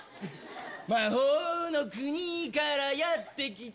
魔法の国からやって来た。